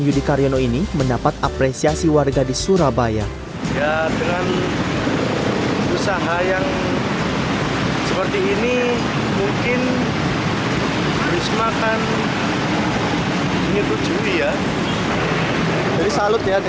yudi karyono berangkat dari yogyakarta